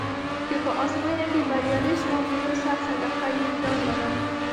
که په ازموینه کې بریالی شوم یو سر صدقه يه ځان منم.